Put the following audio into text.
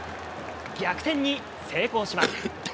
逆転に成功します。